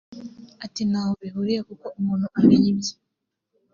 Ati “Ntaho bihuriye kuko umuntu amenya ibye